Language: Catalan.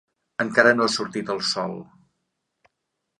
Encara no ha sortit el sol.